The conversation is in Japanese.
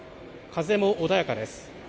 風も穏やかです。